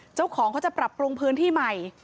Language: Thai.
เจ้าของเขาจะปรับปรุงพื้นที่ใหม่